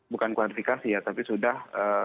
bukan klarifikasi ya tapi sudah